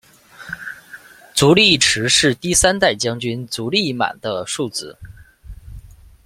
足利义持是第三代将军足利义满的庶子。